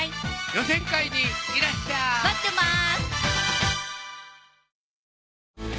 予選会にいらっしゃい待ってます